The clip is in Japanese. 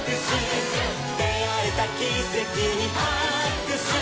「であえたキセキにはくしゅ」「」